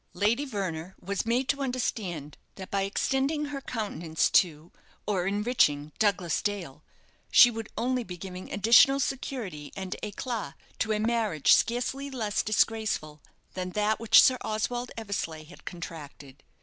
Lady Verner was made to understand that by extending her countenance to, or enriching Douglas Dale, she would only be giving additional security and eclât to a marriage scarcely less disgraceful than that which Sir Oswald Eversleigh had contracted.